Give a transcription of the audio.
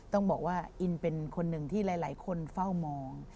ต้องบอกว่าอินเป็นคนหนึ่งที่หลายคนเฝ้ามอง